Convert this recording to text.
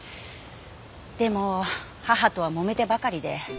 でも母とはもめてばかりで。